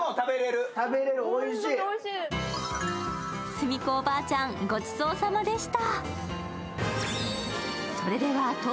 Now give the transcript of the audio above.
すみ子おばあちゃん、ごちそうさまでした。